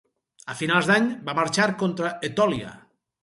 A finals d'any va marxar contra Etòlia.